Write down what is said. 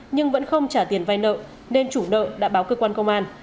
nhưng vẫn không trả tiền vai nợ nên chủ nợ đã báo cơ quan công an